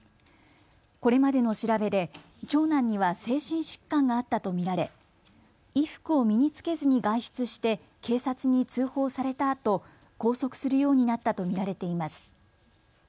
これまでの調べで長男には精神疾患があったと見られ衣服を身に着けずに外出して警察に通報されたあと、拘束するようになったと見られています。